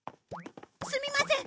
すみません